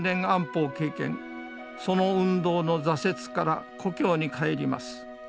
その運動の挫折から故郷に帰ります。